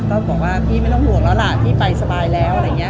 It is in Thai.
ก็บอกว่าพี่ไม่ต้องห่วงแล้วล่ะพี่ไปสบายแล้วอะไรอย่างนี้